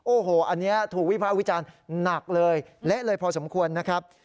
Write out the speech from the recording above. โอ้โหอันนี้ถูกวิภาควิจารณ์หนักเลยเละเลยพอสมควรนะครับ